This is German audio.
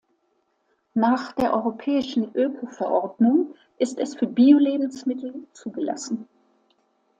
Nach der Europäischen Öko-Verordnung ist es für Bio-Lebensmittel zugelassen.